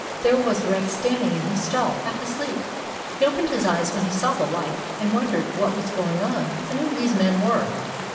There was Rex standing in his stall, half asleep. He opened his eyes when he saw the light, and wondered what was going on, and who these men were.